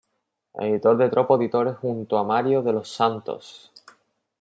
Editor de Tropo Editores junto a Mario de los Santos.